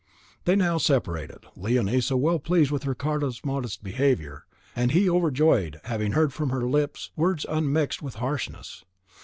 They now separated, Leonisa well pleased with Ricardo's modest behaviour, and he overjoyed at having heard from her lips words unmixed with harshness.